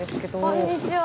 こんにちは。